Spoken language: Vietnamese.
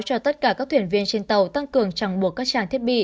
cho tất cả các thuyền viên trên tàu tăng cường chẳng buộc các trang thiết bị